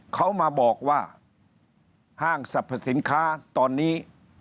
เขามาบอกว่าห้างสรรพสินค้าตอนนี้